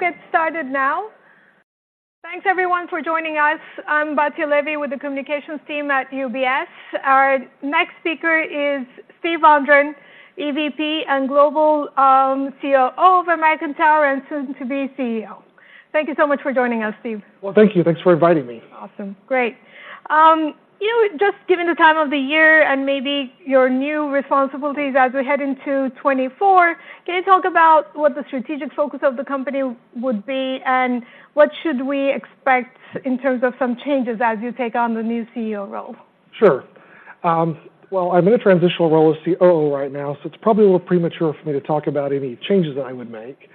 We'll get started now. Thanks everyone for joining us. I'm Batya Levi with the communications team at UBS. Our next speaker is Steve Vondran, EVP and Global COO of American Tower, and soon to be CEO. Thank you so much for joining us, Steve. Well, thank you. Thanks for inviting me. Awesome. Great. You know, just given the time of the year and maybe your new responsibilities as we head into 2024, can you talk about what the strategic focus of the company would be, and what should we expect in terms of some changes as you take on the new CEO role? Sure. Well, I'm in a transitional role as COO right now, so it's probably a little premature for me to talk about any changes that I would make.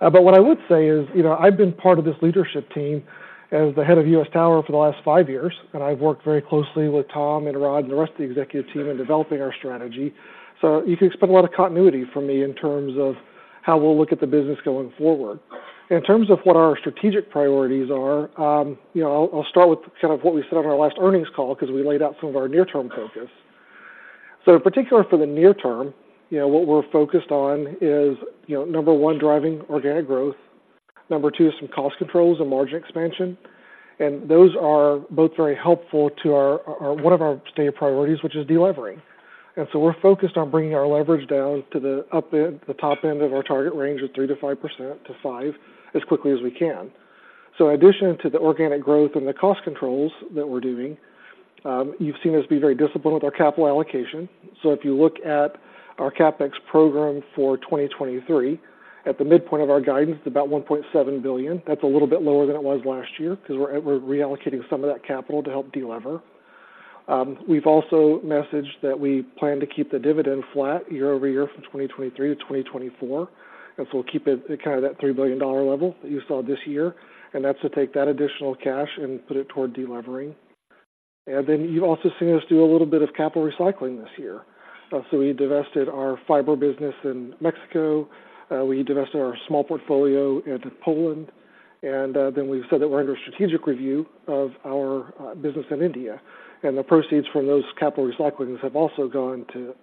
But what I would say is, you know, I've been part of this leadership team as the head of U.S. Tower for the last five years, and I've worked very closely with Tom and Rod and the rest of the executive team in developing our strategy. So you can expect a lot of continuity from me in terms of how we'll look at the business going forward. In terms of what our strategic priorities are, you know, I'll, I'll start with kind of what we said on our last earnings call because we laid out some of our near-term focus. So in particular, for the near term, you know, what we're focused on is, you know, number one, driving organic growth. Number two is some cost controls and margin expansion. And those are both very helpful to our one of our stated priorities, which is delevering. And so we're focused on bringing our leverage down to the upper end, the top end of our target range of 3%-5% to 5%, as quickly as we can. So in addition to the organic growth and the cost controls that we're doing, you've seen us be very disciplined with our capital allocation. So if you look at our CapEx program for 2023, at the midpoint of our guidance, it's about $1.7 billion. That's a little bit lower than it was last year because we're reallocating some of that capital to help delever. We've also messaged that we plan to keep the dividend flat year-over-year from 2023 to 2024, and so we'll keep it kind of that $3 billion level that you saw this year, and that's to take that additional cash and put it toward delevering. And then you've also seen us do a little bit of capital recycling this year. So we divested our fiber business in Mexico. We divested our small portfolio into Poland, and then we've said that we're under a strategic review of our business in India. And the proceeds from those capital recyclings have also gone to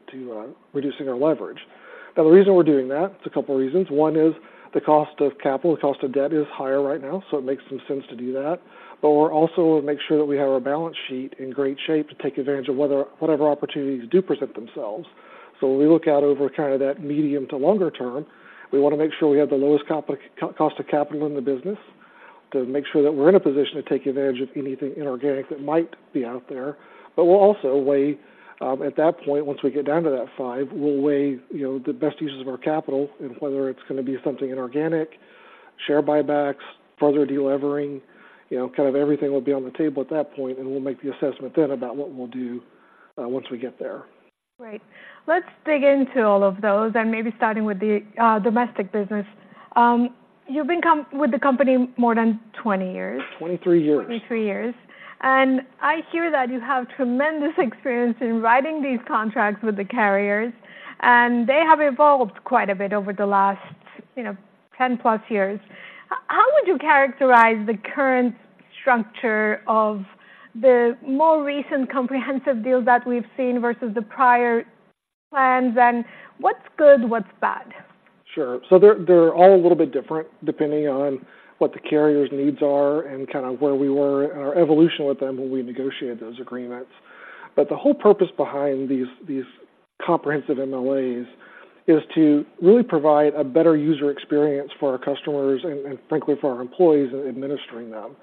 reducing our leverage. Now, the reason we're doing that, it's a couple of reasons. One is the cost of capital, the cost of debt is higher right now, so it makes some sense to do that. But we're also make sure that we have our balance sheet in great shape to take advantage of whatever opportunities do present themselves. So when we look out over kind of that medium to longer term, we want to make sure we have the lowest cost of capital in the business, to make sure that we're in a position to take advantage of anything inorganic that might be out there. But we'll also weigh, at that point, once we get down to that five, we'll weigh, you know, the best uses of our capital and whether it's gonna be something inorganic, share buybacks, further delevering, you know, kind of everything will be on the table at that point, and we'll make the assessment then about what we'll do, once we get there. Great. Let's dig into all of those and maybe starting with the domestic business. You've been with the company more than 20 years. Twenty-three years. 23 years. I hear that you have tremendous experience in writing these contracts with the carriers, and they have evolved quite a bit over the last, you know, 10+ years. How would you characterize the current structure of the more recent comprehensive deals that we've seen versus the prior plans, and what's good, what's bad? Sure. So they're, they're all a little bit different depending on what the carrier's needs are and kind of where we were in our evolution with them when we negotiated those agreements. But the whole purpose behind these, these comprehensive MLAs is to really provide a better user experience for our customers and, and frankly, for our employees in administering them.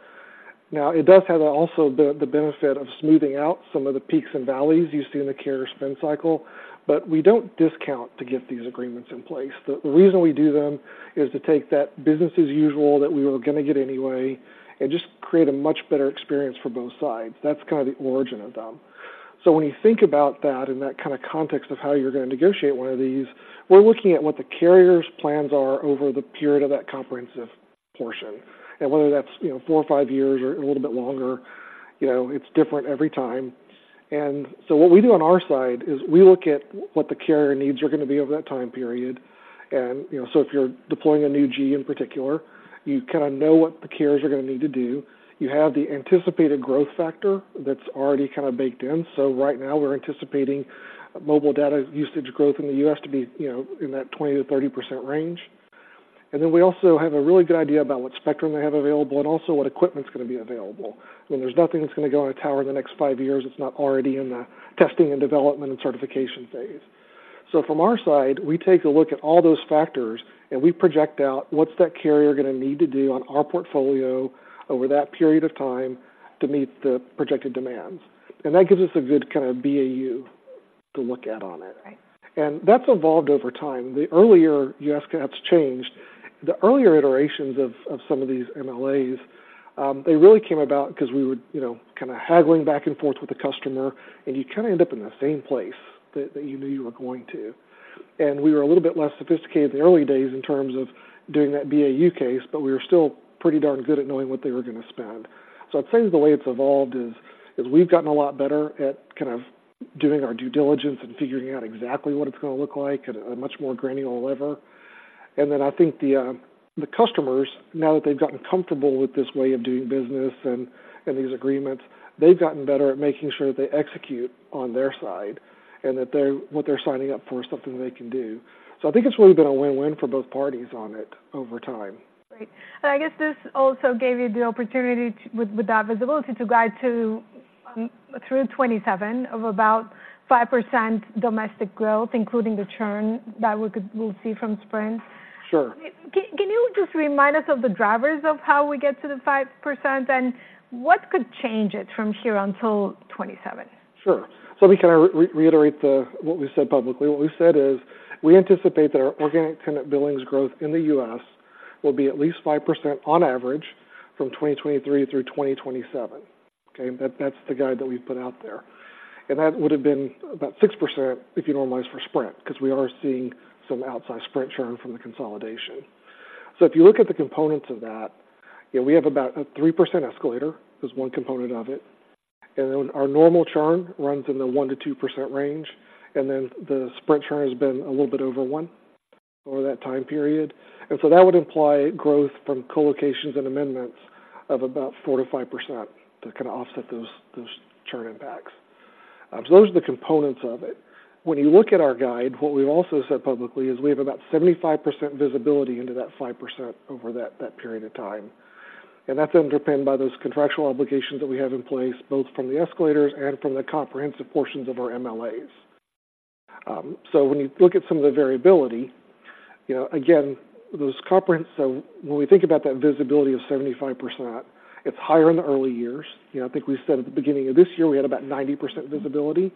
Now, it does have also the, the benefit of smoothing out some of the peaks and valleys you see in the carrier spend cycle, but we don't discount to get these agreements in place. The reason we do them is to take that business as usual that we were gonna get anyway and just create a much better experience for both sides. That's kind of the origin of them. So when you think about that in that kind of context of how you're gonna negotiate one of these, we're looking at what the carrier's plans are over the period of that comprehensive portion, and whether that's, you know, four or five years or a little bit longer, you know, it's different every time. And so what we do on our side is we look at what the carrier needs are gonna be over that time period. And, you know, so if you're deploying a new G in particular, you kinda know what the carriers are gonna need to do. You have the anticipated growth factor that's already kinda baked in. So right now we're anticipating mobile data usage growth in the U.S. to be, you know, in that 20%-30% range. And then we also have a really good idea about what spectrum they have available and also what equipment's gonna be available. I mean, there's nothing that's gonna go on a tower in the next five years that's not already in the testing and development and certification phase. So from our side, we take a look at all those factors, and we project out what's that carrier gonna need to do on our portfolio over that period of time to meet the projected demands. And that gives us a good kind of BAU to look at on it. Right. And that's evolved over time. The earlier U.S. caps changed. The earlier iterations of some of these MLAs, they really came about because we were, you know, kind of haggling back and forth with the customer, and you kind of end up in the same place that you knew you were going to. And we were a little bit less sophisticated in the early days in terms of doing that BAU case, but we were still pretty darn good at knowing what they were gonna spend. So I'd say the way it's evolved is, we've gotten a lot better at kind of doing our due diligence and figuring out exactly what it's gonna look like at a much more granular level. And then I think the customers, now that they've gotten comfortable with this way of doing business and these agreements, they've gotten better at making sure that they execute on their side, and that they're, what they're signing up for is something that they can do. So I think it's really been a win-win for both parties on it over time. Great. And I guess this also gave you the opportunity to, with that visibility, to guide to, through 2027 of about 5% domestic growth, including the churn that we could-- we'll see from Sprint. Sure. Can you just remind us of the drivers of how we get to the 5%, and what could change it from here until 2027? Sure. So we kind of reiterate the what we said publicly. What we said is, we anticipate that our organic tenant billings growth in the U.S. will be at least 5% on average from 2023 through 2027. Okay? That, that's the guide that we've put out there. And that would have been about 6% if you normalize for Sprint, because we are seeing some outsized Sprint churn from the consolidation. So if you look at the components of that, yeah, we have about a 3% escalator, is one component of it. And then our normal churn runs in the 1%-2% range, and then the Sprint churn has been a little bit over one over that time period. And so that would imply growth from co-locations and amendments of about 4%-5% to kind of offset those, those churn impacts. So those are the components of it. When you look at our guide, what we've also said publicly is we have about 75% visibility into that 5% over that, that period of time, and that's underpinned by those contractual obligations that we have in place, both from the escalators and from the comprehensive portions of our MLAs. So when you look at some of the variability, you know, again, so when we think about that visibility of 75%, it's higher in the early years. You know, I think we said at the beginning of this year, we had about 90% visibility,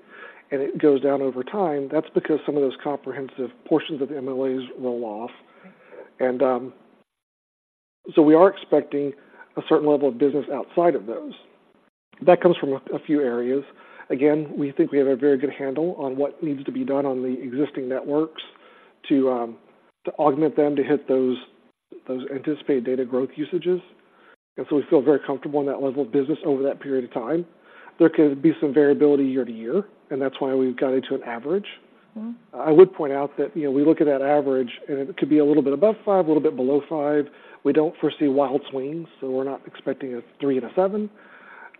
and it goes down over time. That's because some of those comprehensive portions of the MLAs roll off. And so we are expecting a certain level of business outside of those. That comes from a few areas. Again, we think we have a very good handle on what needs to be done on the existing networks to, to augment them, to hit those, those anticipated data growth usages. And so we feel very comfortable in that level of business over that period of time. There could be some variability year to year, and that's why we've guided to an average. Mm-hmm. I would point out that, you know, we look at that average, and it could be a little bit above five, a little bit below five. We don't foresee wild swings, so we're not expecting a three and a seven.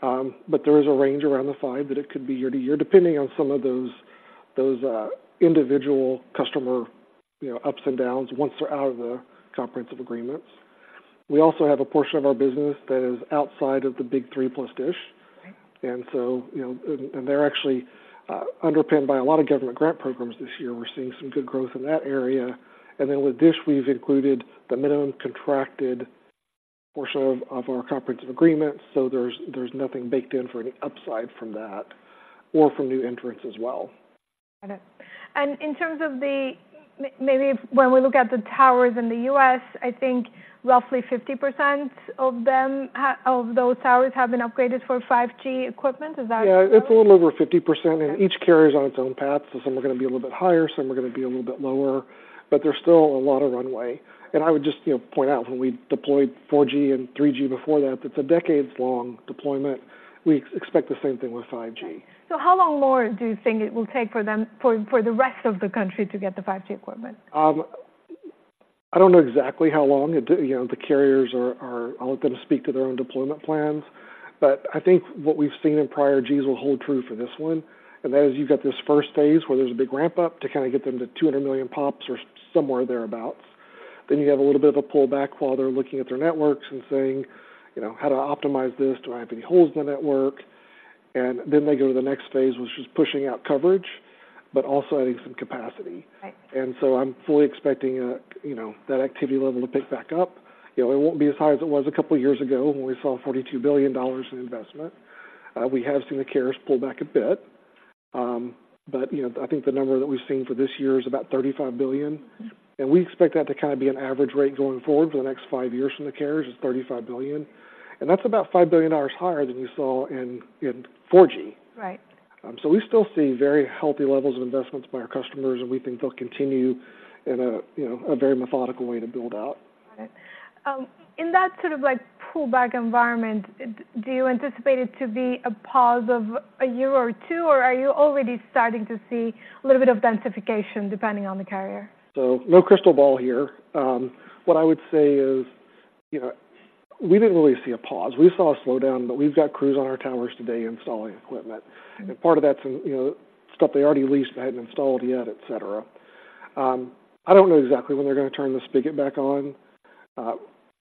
But there is a range around the five that it could be year to year, depending on some of those individual customer, you know, ups and downs once they're out of the comprehensive agreements. We also have a portion of our business that is outside of the big three, plus Dish. Right. And so, you know, and they're actually underpinned by a lot of government grant programs this year. We're seeing some good growth in that area. And then with Dish, we've included the minimum contracted portion of our comprehensive agreements, so there's nothing baked in for any upside from that or from new entrants as well. Got it. And in terms of the. Maybe if, when we look at the towers in the U.S., I think roughly 50% of them, of those towers have been upgraded for 5G equipment. Is that true? Yeah, it's a little over 50%, and each carrier is on its own path. So some are going to be a little bit higher, some are going to be a little bit lower, but there's still a lot of runway. And I would just, you know, point out, when we deployed 4G and 3G before that, it's a decades-long deployment. We expect the same thing with 5G. So how long more do you think it will take for them, for the rest of the country to get the 5G equipment? I don't know exactly how long. You know, the carriers are. I'll let them speak to their own deployment plans. But I think what we've seen in prior Gs will hold true for this one, and that is you've got this first phase, where there's a big ramp-up to kind of get them to 200 million POPs or somewhere thereabout. Then you have a little bit of a pullback while they're looking at their networks and saying, you know, "How do I optimize this? Do I have any holes in the network?" And then they go to the next phase, which is pushing out coverage, but also adding some capacity. Right. So I'm fully expecting, you know, that activity level to pick back up. You know, it won't be as high as it was a couple of years ago, when we saw $42 billion in investment. We have seen the carriers pull back a bit. But, you know, I think the number that we've seen for this year is about $35 billion. Mm-hmm. We expect that to kind of be an average rate going forward for the next five years from the carriers, is $35 billion. That's about $5 billion higher than we saw in 4G. Right. So we still see very healthy levels of investments by our customers, and we think they'll continue in a, you know, a very methodical way to build out. Got it. In that sort of, like, pullback environment, do you anticipate it to be a pause of a year or two, or are you already starting to see a little bit of densification, depending on the carrier? So no crystal ball here. What I would say is, you know, we didn't really see a pause. We saw a slowdown, but we've got crews on our towers today installing equipment. Mm-hmm. Part of that's, you know, stuff they already leased but hadn't installed yet, et cetera. I don't know exactly when they're going to turn the spigot back on.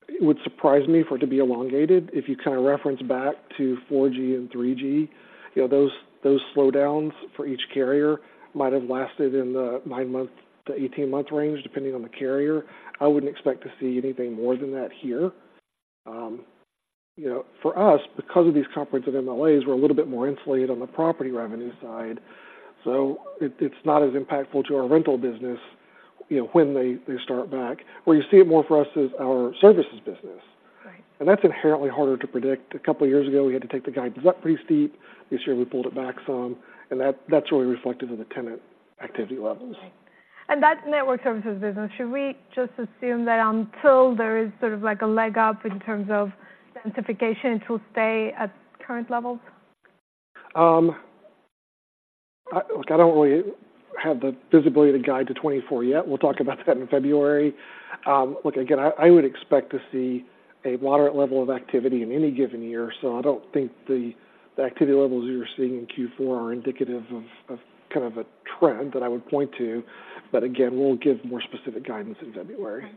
It would surprise me for it to be elongated. If you kind of reference back to 4G and 3G, you know, those, those slowdowns for each carrier might have lasted in the nine month to 18 month range, depending on the carrier. I wouldn't expect to see anything more than that here. You know, for us, because of these comprehensive MLAs, we're a little bit more insulated on the property revenue side, so it's not as impactful to our rental business, you know, when they, they start back. Where you see it more for us is our services business. Right. That's inherently harder to predict. A couple of years ago, we had to take the guide up pretty steep. This year, we pulled it back some. That, that's really reflective of the tenant activity levels. Right. And that network services business, should we just assume that until there is sort of like a leg up in terms of densification, it will stay at current levels? Look, I don't really have the visibility to guide to 2024 yet. We'll talk about that in February. Look, again, I would expect to see a moderate level of activity in any given year, so I don't think the activity levels you're seeing in Q4 are indicative of kind of a trend that I would point to. But again, we'll give more specific guidance in February.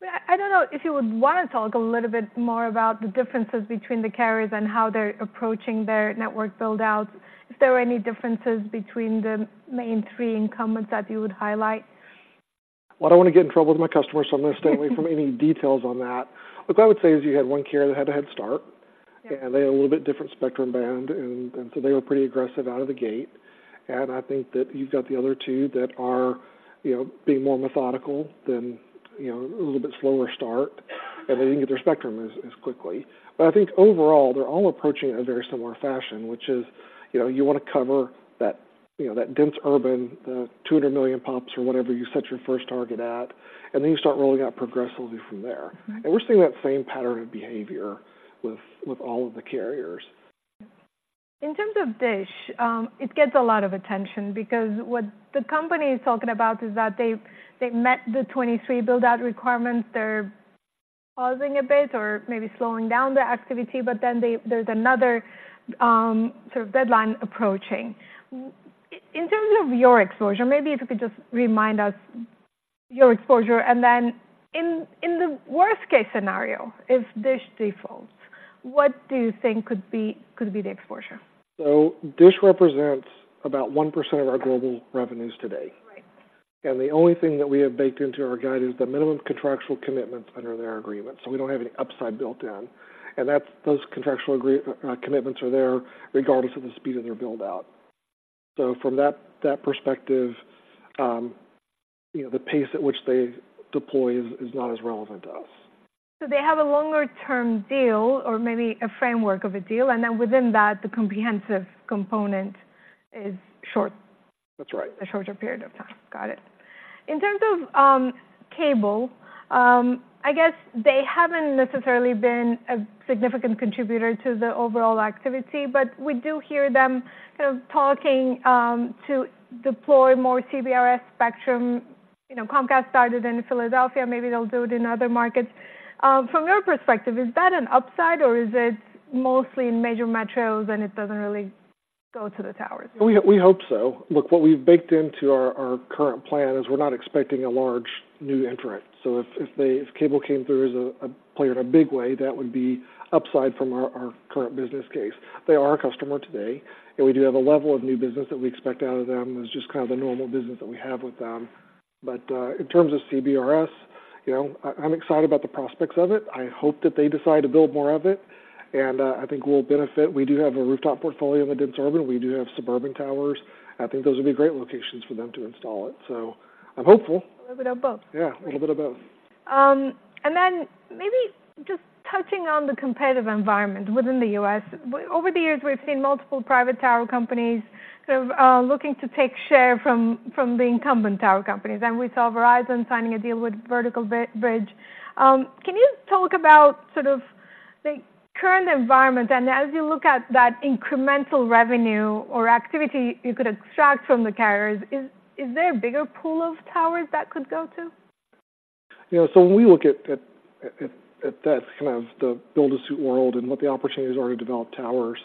But I don't know if you would wanna talk a little bit more about the differences between the carriers and how they're approaching their network build-outs. If there are any differences between the main three incumbents that you would highlight? Well, I don't wanna get in trouble with my customers, so I'm gonna stay away from any details on that. Look, I would say, is you had one carrier that had a head start. Yeah. And they had a little bit different spectrum band, and so they were pretty aggressive out of the gate. And I think that you've got the other two that are, you know, being more methodical than, you know, a little bit slower start, and they didn't get their spectrum as quickly. But I think overall, they're all approaching in a very similar fashion, which is, you know, you wanna cover that, you know, that dense urban, the 200 million pops or whatever you set your first target at, and then you start rolling out progressively from there. Mm-hmm. We're seeing that same pattern of behavior with all of the carriers. In terms of Dish, it gets a lot of attention because what the company is talking about is that they've met the 23 build-out requirements. They're pausing a bit or maybe slowing down their activity, but then there's another sort of deadline approaching. In terms of your exposure, maybe if you could just remind us your exposure, and then in the worst-case scenario, if Dish defaults, what do you think could be the exposure? So Dish represents about 1% of our global revenues today. Right. The only thing that we have baked into our guide is the minimum contractual commitments under their agreement, so we don't have any upside built in. That's, those contractual commitments are there regardless of the speed of their build-out. From that perspective, you know, the pace at which they deploy is not as relevant to us. They have a longer-term deal or maybe a framework of a deal, and then within that, the comprehensive component is short? That's right. A shorter period of time. Got it. In terms of cable, I guess they haven't necessarily been a significant contributor to the overall activity, but we do hear them sort of talking to deploy more CBRS spectrum. You know, Comcast started in Philadelphia. Maybe they'll do it in other markets. From your perspective, is that an upside, or is it mostly in major metros, and it doesn't really go to the towers? We hope so. Look, what we've baked into our current plan is we're not expecting a large new entrant. So if cable came through as a player in a big way, that would be upside from our current business case. They are our customer today, and we do have a level of new business that we expect out of them. It's just kind of the normal business that we have with them. But in terms of CBRS, you know, I'm excited about the prospects of it. I hope that they decide to build more of it, and I think we'll benefit. We do have a rooftop portfolio in the dense urban. We do have suburban towers. I think those would be great locations for them to install it, so I'm hopeful. A little bit of both. Yeah, a little bit of both. And then maybe just touching on the competitive environment within the U.S. Over the years, we've seen multiple private tower companies sort of looking to take share from the incumbent tower companies, and we saw Verizon signing a deal with Vertical Bridge. Can you talk about sort of the current environment, and as you look at that incremental revenue or activity you could extract from the carriers, is there a bigger pool of towers that could go to? You know, so when we look at that kind of the build-to-suit world and what the opportunities are to develop towers,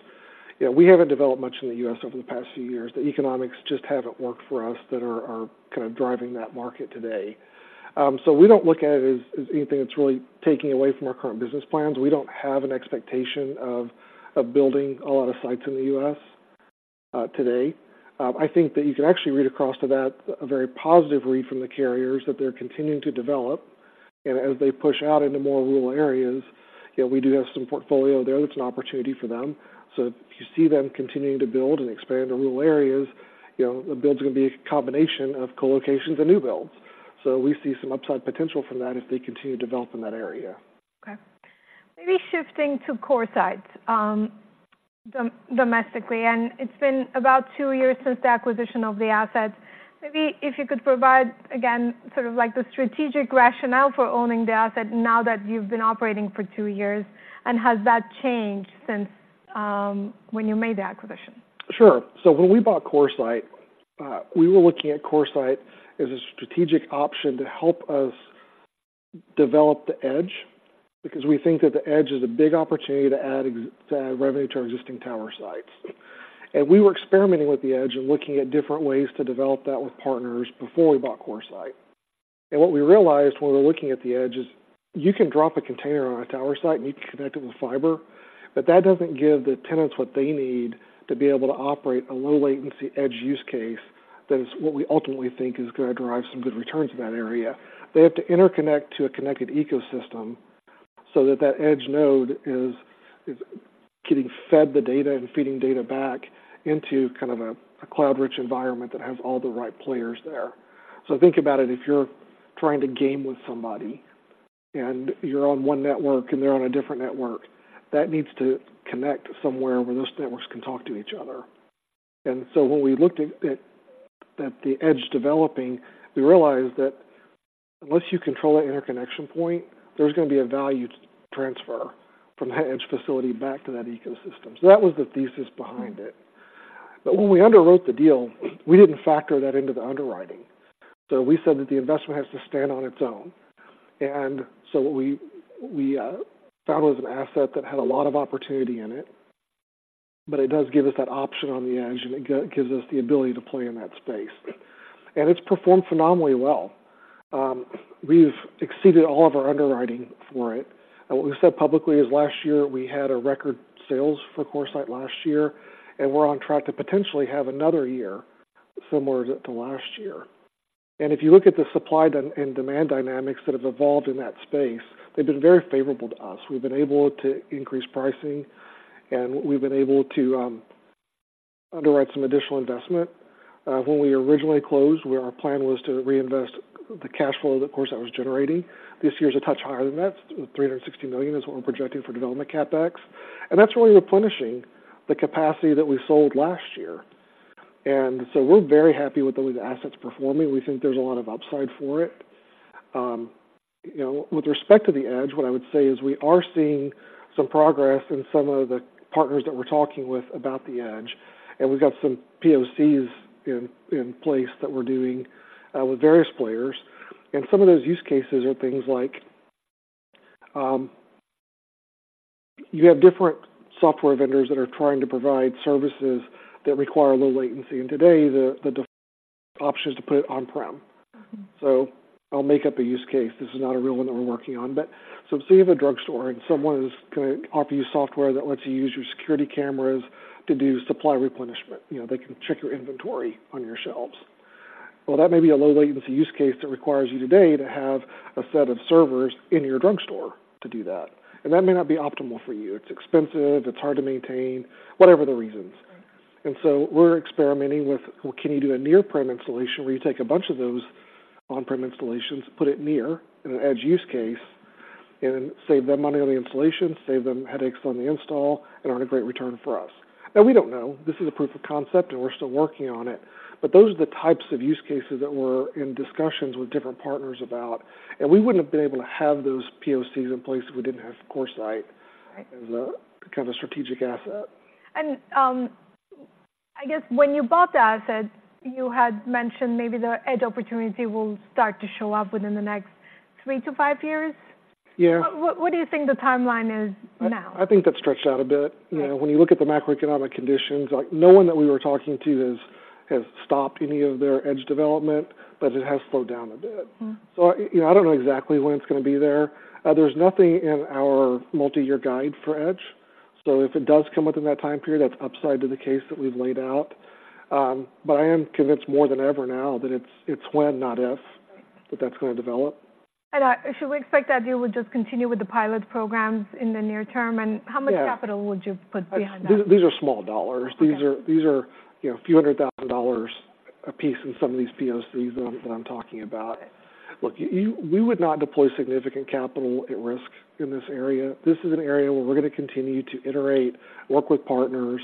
you know, we haven't developed much in the U.S. over the past few years. The economics just haven't worked for us that are kind of driving that market today. So we don't look at it as anything that's really taking away from our current business plans. We don't have an expectation of building a lot of sites in the U.S. today. I think that you can actually read across to that a very positive read from the carriers, that they're continuing to develop. And as they push out into more rural areas, you know, we do have some portfolio there, that's an opportunity for them. So if you see them continuing to build and expand to rural areas, you know, the build's gonna be a combination of co-locations and new builds. So we see some upside potential from that as they continue to develop in that area. Okay. Maybe shifting to CoreSite, domestically, and it's been about two years since the acquisition of the asset. Maybe if you could provide, again, sort of like the strategic rationale for owning the asset now that you've been operating for two years, and has that changed since when you made the acquisition? Sure. So when we bought CoreSite, we were looking at CoreSite as a strategic option to help us develop the edge, because we think that the edge is a big opportunity to add revenue to our existing tower sites. We were experimenting with the edge and looking at different ways to develop that with partners before we bought CoreSite. What we realized when we were looking at the edge is, you can drop a container on a tower site and you can connect it with fiber, but that doesn't give the tenants what they need to be able to operate a low-latency edge use case. That is what we ultimately think is gonna drive some good returns in that area. They have to interconnect to a connected ecosystem so that that edge node is getting fed the data and feeding data back into kind of a cloud-rich environment that has all the right players there. So think about it, if you're trying to game with somebody and you're on one network and they're on a different network, that needs to connect somewhere where those networks can talk to each other. And so when we looked at the edge developing, we realized that unless you control that interconnection point, there's gonna be a value transfer from that edge facility back to that ecosystem. So that was the thesis behind it. But when we underwrote the deal, we didn't factor that into the underwriting. So we said that the investment has to stand on its own. So what we found was an asset that had a lot of opportunity in it, but it does give us that option on the edge, and it gives us the ability to play in that space. It's performed phenomenally well. We've exceeded all of our underwriting for it. What we've said publicly is last year, we had a record sales for CoreSite last year, and we're on track to potentially have another year similar to last year. If you look at the supply and demand dynamics that have evolved in that space, they've been very favorable to us. We've been able to increase pricing, and we've been able to underwrite some additional investment. When we originally closed, where our plan was to reinvest the cash flow that, of course, that was generating, this year's a touch higher than that. $360 million is what we're projecting for development CapEx, and that's really replenishing the capacity that we sold last year. And so we're very happy with the way the asset's performing. We think there's a lot of upside for it. You know, with respect to the edge, what I would say is we are seeing some progress in some of the partners that we're talking with about the edge, and we've got some POCs in place that we're doing with various players. And some of those use cases are things like, you have different software vendors that are trying to provide services that require low latency. And today, the option is to put it on-prem. I'll make up a use case. This is not a real one that we're working on. But so say you have a drugstore, and someone is gonna offer you software that lets you use your security cameras to do supply replenishment. You know, they can check your inventory on your shelves. Well, that may be a low-latency use case that requires you today to have a set of servers in your drugstore to do that, and that may not be optimal for you. It's expensive, it's hard to maintain, whatever the reasons. And so we're experimenting with, well, can you do a near-prem installation, where you take a bunch of those on-prem installations, put it near, in an edge use case, and save them money on the installation, save them headaches on the install, and earn a great return for us? And we don't know. This is a proof of concept, and we're still working on it. But those are the types of use cases that we're in discussions with different partners about, and we wouldn't have been able to have those POCs in place if we didn't have CoreSite- Right. as a kind of a strategic asset. I guess when you bought the asset, you had mentioned maybe the edge opportunity will start to show up within the next three to five years? Yeah. What, what do you think the timeline is now? I think that stretched out a bit. Right. You know, when you look at the macroeconomic conditions, like, no one that we were talking to has stopped any of their edge development, but it has slowed down a bit. Mm-hmm. So I, you know, I don't know exactly when it's gonna be there. There's nothing in our multiyear guide for edge, so if it does come within that time period, that's upside to the case that we've laid out. But I am convinced more than ever now that it's, it's when, not if- Right. that that's gonna develop. Should we expect that you would just continue with the pilot programs in the near term? Yeah. How much capital would you put behind that? These are small dollars. Okay. These are, you know, a few $100,000 apiece in some of these POCs that I'm talking about. Right. Look, we would not deploy significant capital at risk in this area. This is an area where we're gonna continue to iterate, work with partners,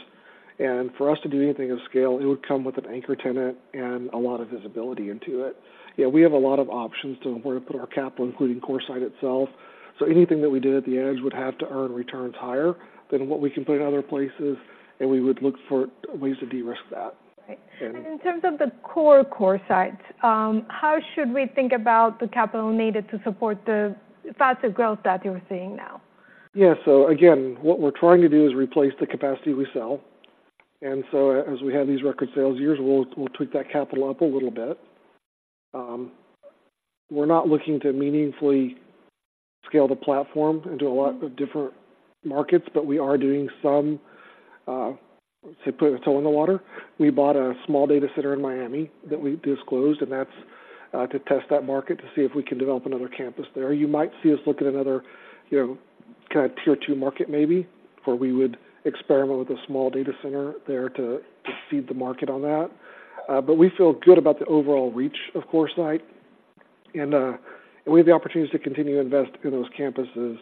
and for us to do anything of scale, it would come with an anchor tenant and a lot of visibility into it. Yeah, we have a lot of options to where to put our capital, including CoreSite itself. So anything that we did at the edge would have to earn returns higher than what we can put in other places, and we would look for ways to de-risk that. Right. And. In terms of the core, CoreSite, how should we think about the capital needed to support the faster growth that you're seeing now? Yeah. So again, what we're trying to do is replace the capacity we sell. And so as we have these record sales years, we'll tweak that capital up a little bit. We're not looking to meaningfully scale the platform into a lot of different markets, but we are doing some, say, putting a toe in the water. We bought a small data center in Miami that we've disclosed, and that's to test that market to see if we can develop another campus there. You might see us look at another, you know, kind of tier two market maybe, where we would experiment with a small data center there to seed the market on that. But we feel good about the overall reach of CoreSite, and we have the opportunities to continue to invest in those campuses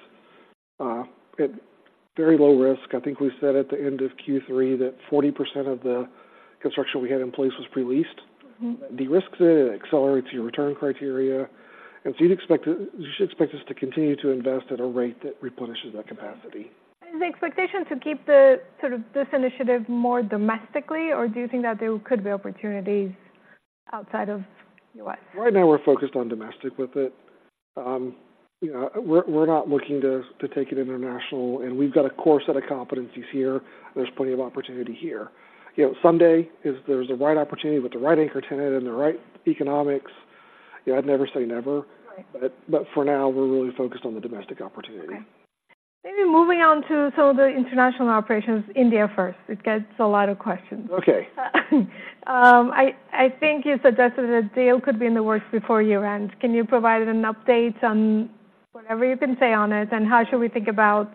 at very low risk. I think we said at the end of Q3 that 40% of the construction we had in place was pre-leased. Mm-hmm. De-risks it, it accelerates your return criteria, and so you'd expect it. You should expect us to continue to invest at a rate that replenishes that capacity. The expectation to keep the, sort of, this initiative more domestically, or do you think that there could be opportunities outside of U.S.? Right now, we're focused on domestic with it. You know, we're not looking to take it international, and we've got a core set of competencies here. There's plenty of opportunity here. You know, someday, if there's a right opportunity with the right anchor tenant and the right economics, yeah, I'd never say never. Right. But for now, we're really focused on the domestic opportunity. Okay. Maybe moving on to some of the international operations, India first. It gets a lot of questions. Okay. I think you suggested a deal could be in the works before year-end. Can you provide an update on whatever you can say on it, and how should we think about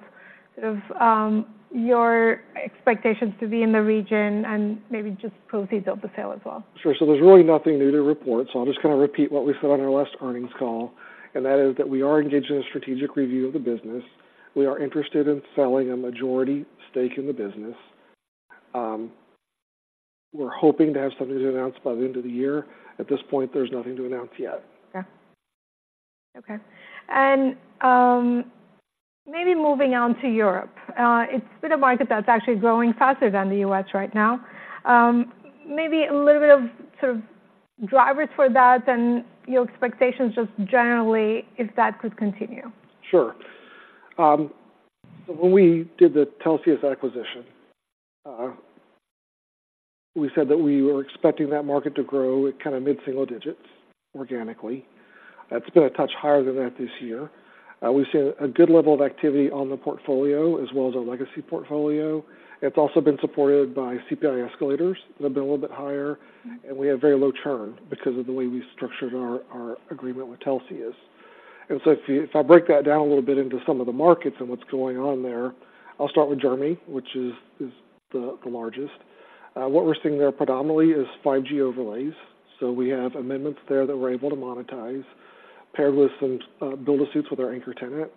sort of your expectations to be in the region and maybe just proceeds of the sale as well? Sure. So there's really nothing new to report, so I'll just kind of repeat what we said on our last earnings call, and that is that we are engaged in a strategic review of the business. We are interested in selling a majority stake in the business. We're hoping to have something to announce by the end of the year. At this point, there's nothing to announce yet. Okay. Maybe moving on to Europe. It's been a market that's actually growing faster than the U.S. right now. Maybe a little bit of sort of drivers for that and your expectations just generally, if that could continue. Sure. When we did the Telxius acquisition, we said that we were expecting that market to grow at kinda mid-single digits organically. That's been a touch higher than that this year. We've seen a good level of activity on the portfolio as well as our legacy portfolio. It's also been supported by CPI escalators that have been a little bit higher, and we have very low churn because of the way we structured our agreement with Telxius. So if I break that down a little bit into some of the markets and what's going on there, I'll start with Germany, which is the largest. What we're seeing there predominantly is 5G overlays. So we have amendments there that we're able to monetize, paired with some build-to-suits with our anchor tenant.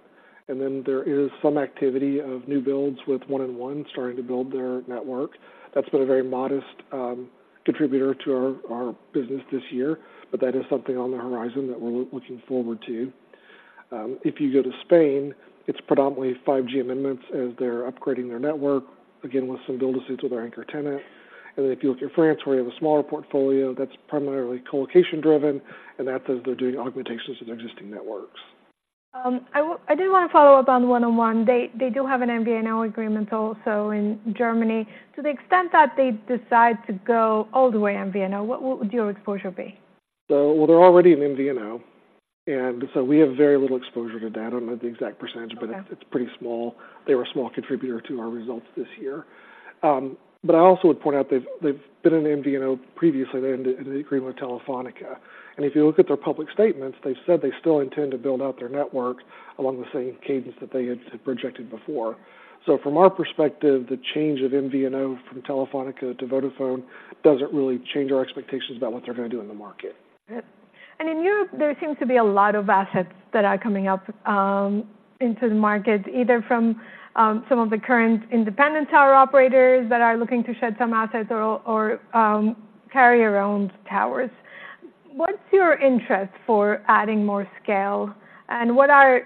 And then there is some activity of new builds with 1&1, starting to build their network. That's been a very modest contributor to our business this year, but that is something on the horizon that we're looking forward to. If you go to Spain, it's predominantly 5G amendments as they're upgrading their network, again, with some build-to-suits with our anchor tenant. And then if you look at France, where we have a smaller portfolio, that's primarily co-location driven, and that is they're doing augmentations of existing networks. I did wanna follow up on 1&1. They do have an MVNO agreement also in Germany. To the extent that they decide to go all the way MVNO, what would your exposure be? Well, they're already an MVNO, and so we have very little exposure to that. I don't know the exact percentage, but it's- Okay. Pretty small. They were a small contributor to our results this year. But I also would point out, they've been an MVNO previously, and they ended the agreement with Telefónica. If you look at their public statements, they've said they still intend to build out their network along the same cadence that they had projected before. From our perspective, the change of MVNO from Telefónica to Vodafone doesn't really change our expectations about what they're gonna do in the market. In Europe, there seems to be a lot of assets that are coming up into the market, either from some of the current independent tower operators that are looking to shed some assets or carrier-owned towers. What's your interest for adding more scale, and what are,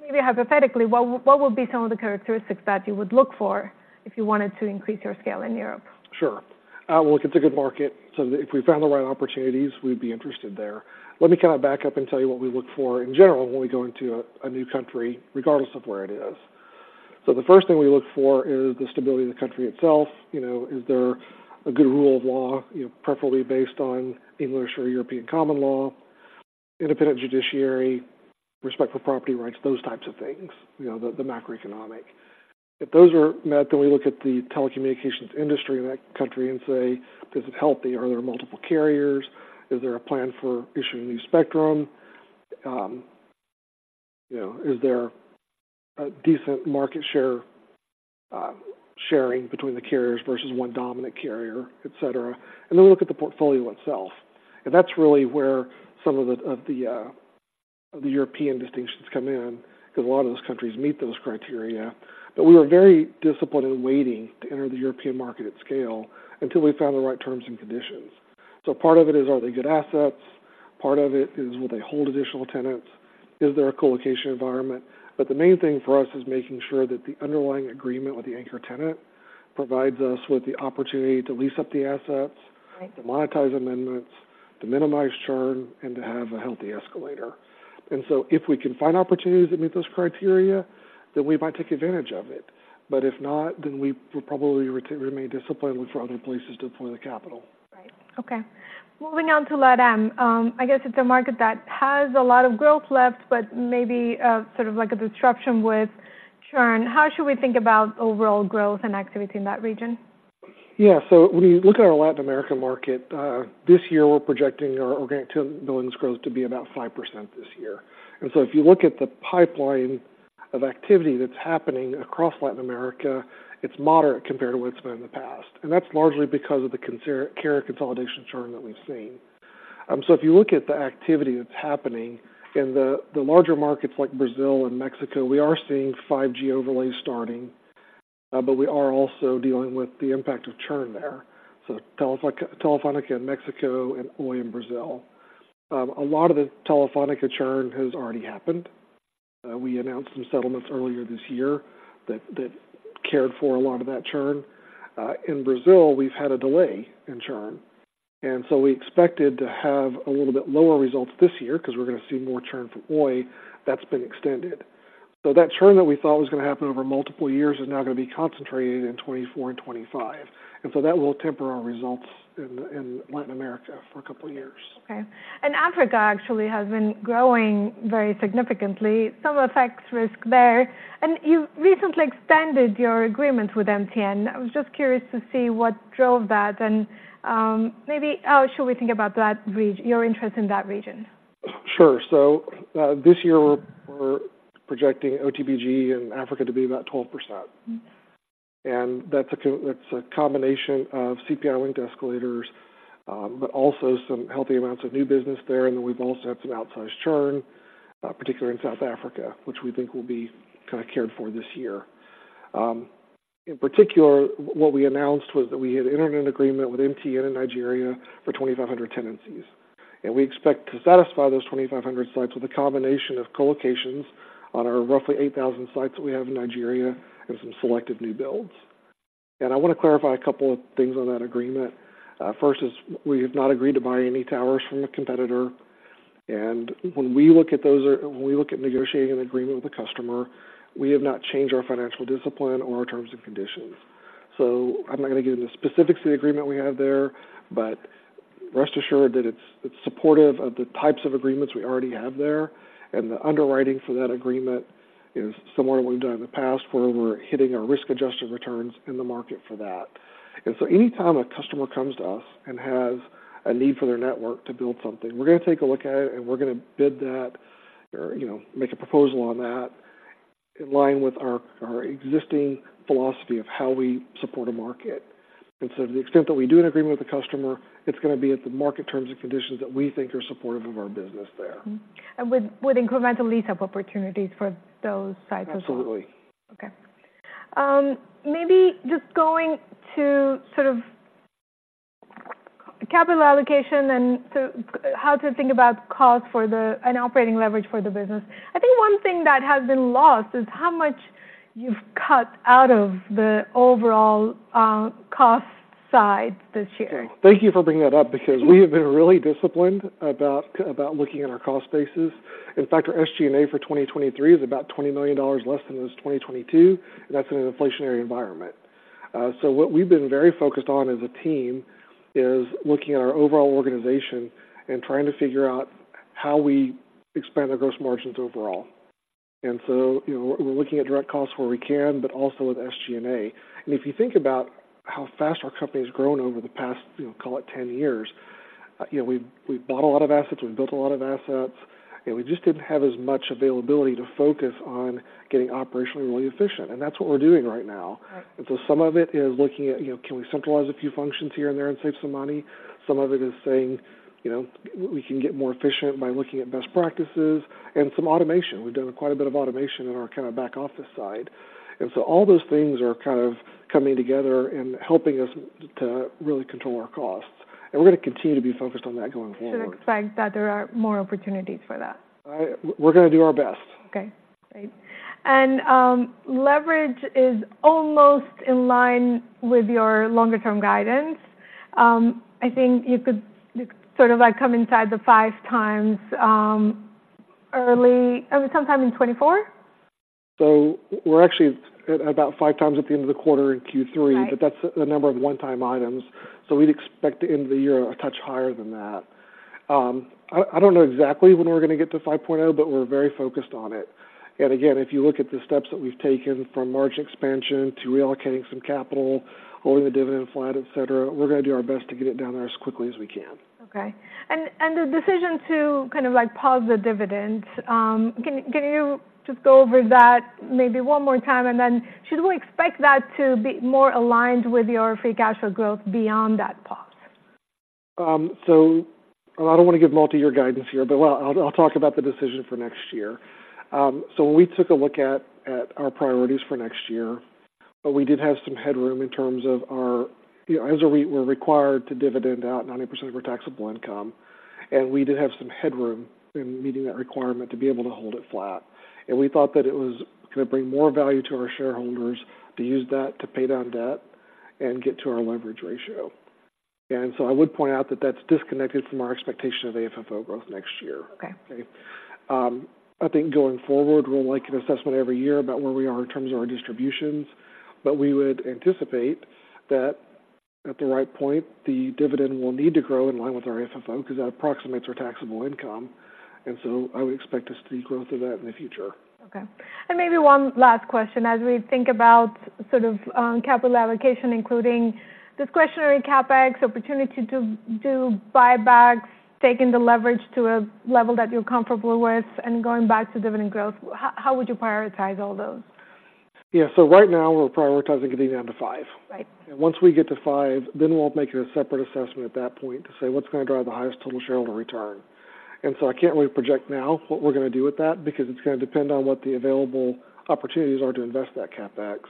maybe hypothetically, what would be some of the characteristics that you would look for if you wanted to increase your scale in Europe? Sure. Well, it's a good market, so if we found the right opportunities, we'd be interested there. Let me kinda back up and tell you what we look for in general when we go into a, a new country, regardless of where it is. So the first thing we look for is the stability of the country itself. You know, is there a good rule of law, you know, preferably based on English or European common law, independent judiciary, respect for property rights, those types of things, you know, the, the macroeconomic. If those are met, then we look at the telecommunications industry in that country and say: Is it healthy? Are there multiple carriers? Is there a plan for issuing new spectrum? You know, is there a decent market share, sharing between the carriers versus one dominant carrier, et cetera. And then we look at the portfolio itself, and that's really where some of the European distinctions come in, because a lot of those countries meet those criteria. But we were very disciplined in waiting to enter the European market at scale until we found the right terms and conditions. So part of it is, are they good assets? Part of it is, will they hold additional tenants? Is there a colocation environment? But the main thing for us is making sure that the underlying agreement with the anchor tenant provides us with the opportunity to lease up the assets. Right. To monetize amendments, to minimize churn, and to have a healthy escalator. And so if we can find opportunities that meet those criteria, then we might take advantage of it. But if not, then we will probably remain disciplined and look for other places to deploy the capital. Right. Okay. Moving on to LATAM, I guess it's a market that has a lot of growth left, but maybe, sort of like a disruption with churn. How should we think about overall growth and activity in that region? Yeah, so when you look at our Latin American market, this year, we're projecting our organic tenant billings growth to be about 5% this year. So if you look at the pipeline of activity that's happening across Latin America, it's moderate compared to what it's been in the past, and that's largely because of the carrier consolidation churn that we've seen. So if you look at the activity that's happening in the larger markets like Brazil and Mexico, we are seeing 5G overlays starting, but we are also dealing with the impact of churn there, so Telefónica, Telefónica in Mexico and Oi in Brazil. A lot of the Telefónica churn has already happened. We announced some settlements earlier this year that cared for a lot of that churn. In Brazil, we've had a delay in churn, and so we expected to have a little bit lower results this year because we're gonna see more churn from Oi that's been extended. So that churn that we thought was gonna happen over multiple years is now gonna be concentrated in 2024 and 2025, and so that will temper our results in Latin America for a couple of years. Okay. Africa actually has been growing very significantly. Some FX risk there, and you've recently extended your agreement with MTN. I was just curious to see what drove that and, maybe how should we think about that your interest in that region? Sure. This year, we're projecting OTBG in Africa to be about 12%. Mm-hmm. That's a combination of CPI-linked escalators, but also some healthy amounts of new business there, and then we've also had some outsized churn, particularly in South Africa, which we think will be kind of cared for this year. In particular, what we announced was that we had entered an agreement with MTN in Nigeria for 2,500 tenancies, and we expect to satisfy those 2,500 sites with a combination of co-locations on our roughly 8,000 sites that we have in Nigeria and some selective new builds. And I wanna clarify a couple of things on that agreement. First is, we have not agreed to buy any towers from the competitor, and when we look at negotiating an agreement with a customer, we have not changed our financial discipline or our terms and conditions. So, I'm not gonna get into the specifics of the agreement we have there, but rest assured that it's supportive of the types of agreements we already have there, and the underwriting for that agreement is similar to what we've done in the past, where we're hitting our risk-adjusted returns in the market for that. And so, anytime a customer comes to us and has a need for their network to build something, we're gonna take a look at it, and we're gonna bid that, or, you know, make a proposal on that, in line with our existing philosophy of how we support a market. And so, to the extent that we do an agreement with the customer, it's gonna be at the market terms and conditions that we think are supportive of our business there. With incremental lease-up opportunities for those sites as well? Absolutely. Okay. Maybe just going to sort of capital allocation and to, how to think about cost for the-- and operating leverage for the business. I think one thing that has been lost is how much you've cut out of the overall, cost side this year. Thank you for bringing that up, because we have been really disciplined about looking at our cost bases. In fact, our SG&A for 2023 is about $20 million less than it was 2022, and that's in an inflationary environment. So what we've been very focused on as a team is looking at our overall organization and trying to figure out how we expand our gross margins overall. And so, you know, we're looking at direct costs where we can, but also at SG&A. And if you think about how fast our company has grown over the past, you know, call it 10 years, you know, we've bought a lot of assets, we've built a lot of assets, and we just didn't have as much availability to focus on getting operationally really efficient, and that's what we're doing right now. Right. And so some of it is looking at, you know, can we centralize a few functions here and there and save some money? Some of it is saying, you know, we can get more efficient by looking at best practices and some automation. We've done quite a bit of automation in our kind of back office side, and so all those things are kind of coming together and helping us to really control our costs. And we're gonna continue to be focused on that going forward. Expect that there are more opportunities for that. We're gonna do our best. Okay, great. And, leverage is almost in line with your longer-term guidance. I think you could, sort of, like, come inside the 5x early, sometime in 2024? We're actually at about 5x at the end of the quarter in Q3- Right. but that's the number of one-time items, so we'd expect the end of the year a touch higher than that. I don't know exactly when we're gonna get to 5.0, but we're very focused on it. And again, if you look at the steps that we've taken, from margin expansion to reallocating some capital, holding the dividend flat, et cetera, we're gonna do our best to get it down there as quickly as we can. Okay. And the decision to kind of, like, pause the dividend, can you just go over that maybe one more time? And then should we expect that to be more aligned with your free cash flow growth beyond that pause? So, I don't want to give multiyear guidance here, but well, I'll talk about the decision for next year. So when we took a look at our priorities for next year, but we did have some headroom in terms of our... You know, as a REIT we're required to dividend out 90% of our taxable income, and we did have some headroom in meeting that requirement to be able to hold it flat. And we thought that it was gonna bring more value to our shareholders to use that to pay down debt and get to our leverage ratio. And so I would point out that that's disconnected from our expectation of AFFO growth next year. Okay. Okay. I think going forward, we'll make an assessment every year about where we are in terms of our distributions, but we would anticipate that at the right point, the dividend will need to grow in line with our AFFO, because that approximates our taxable income, and so I would expect to see growth of that in the future. Okay. And maybe one last question: as we think about sort of, capital allocation, including discretionary CapEx, opportunity to do buybacks, taking the leverage to a level that you're comfortable with, and going back to dividend growth, how would you prioritize all those? Yeah. So right now, we're prioritizing getting down to five. Right. Once we get to five, then we'll make a separate assessment at that point to say, what's gonna drive the highest total shareholder return? And so I can't really project now what we're gonna do with that, because it's gonna depend on what the available opportunities are to invest that CapEx,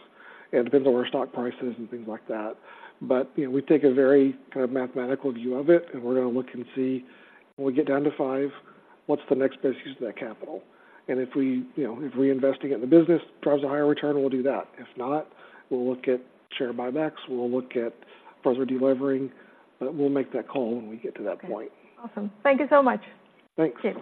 and it depends on where our stock price is and things like that. But, you know, we take a very kind of mathematical view of it, and we're gonna look and see, when we get down to five, what's the next best use of that capital? And if we, you know, if reinvesting it in the business drives a higher return, we'll do that. If not, we'll look at share buybacks, we'll look at further delevering, but we'll make that call when we get to that point. Okay. Awesome. Thank you so much. Thanks. Okay.